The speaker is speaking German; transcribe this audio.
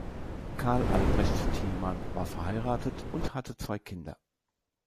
Karl-Albrecht Tiemann war verheiratet und hatte zwei Kinder.